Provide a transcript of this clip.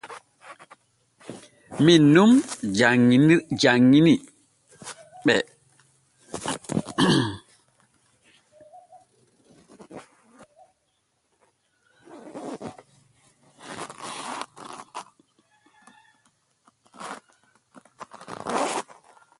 Min nun janŋini ɓe rowani ceeɗu.